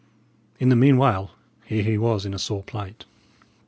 In the meanwhile, here he was in a sore plight.